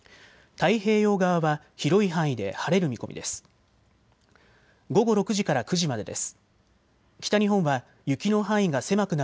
太平洋側は広い範囲で晴れる見込みです。